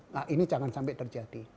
nah ini jangan sampai terjadi